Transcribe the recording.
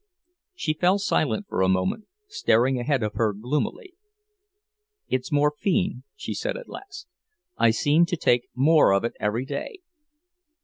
She fell silent for a moment, staring ahead of her gloomily. "It's morphine," she said, at last. "I seem to take more of it every day."